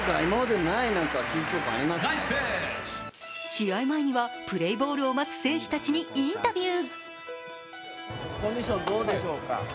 試合前には、プレーボールを待つ選手たちにインタビュー。